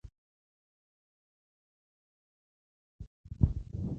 ایا ماشومانو ته مو د حیواناتو د خوراک ورکولو وښودل؟